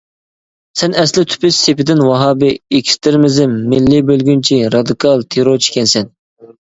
سەن ئەسلى تۈپى سېپىدىن ۋاھابىي، ئېكسترىمىزم، مىللىي بۆلگۈنچى، رادىكال، تېررورچى ئىكەنسەن.